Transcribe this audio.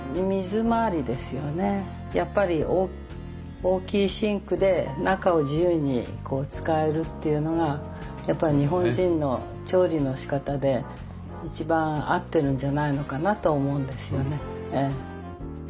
やっぱり大きいシンクで中を自由に使えるっていうのがやっぱり日本人の調理のしかたで一番合ってるんじゃないのかなと思うんですよねええ。